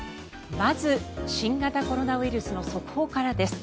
まず新型コロナウイルスの速報からです。